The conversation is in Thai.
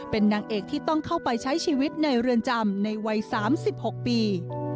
เป็นนางเอกที่ต้องเข้าไปใช้ชีวิตในเรือนจำในวัย๓๖ปี